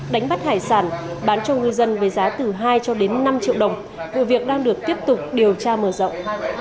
đánh bắt hải sản bán cho người dân với giá từ hai cho đến năm triệu đồng